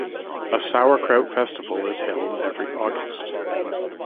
A Sauerkraut Festival is held every August.